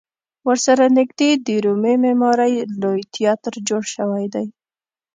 ورسره نږدې د رومي معمارۍ لوی تیاتر جوړ شوی دی.